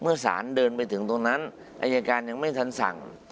เมื่อสารเดินไปถึงตรงนั้นอายการยังไม่ทันสั่ง